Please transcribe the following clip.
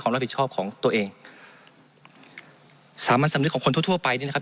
รับผิดชอบของตัวเองสามัญสำนึกของคนทั่วทั่วไปนี่นะครับ